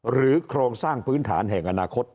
โครงสร้างพื้นฐานแห่งอนาคต